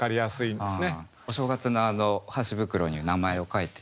お正月のあの箸袋に名前を書いているという。